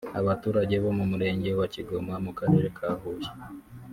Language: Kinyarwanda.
Abaturage bo mu murenge wa Kigoma mu karere ka Huye